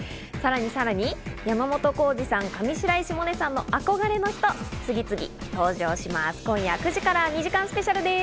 さらに山本耕史さん、上白石萌音さんの憧れの人が次々登場します。